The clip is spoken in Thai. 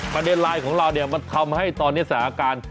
ประเด็นลายของเรามันทำให้ตอนนี้สถานะการณ์